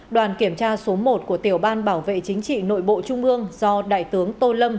đoàn kiểm tra số một của tiểu ban bảo vệ chính trị nội bộ trung ương do đại tướng tô lâm